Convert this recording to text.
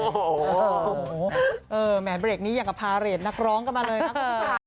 โอ้โหโอ้โหเออแหมนเบรกนี้อย่างกับพาเรทนักร้องกันมาเลยครับคุณผ่าน